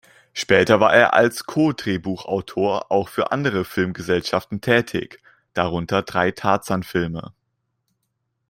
Später war er als Co-Drehbuchautor auch für andere Filmgesellschaften tätig, darunter drei Tarzan-Filme.